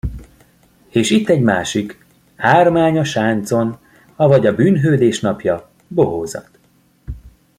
És itt egy másik: Ármány a sáncon, avagy a bűnhődés napja, bohózat.